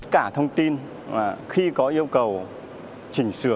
cả thông tin khi có yêu cầu